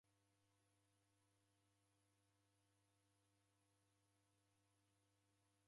Kwaw'eredelwa njogholo nyuma.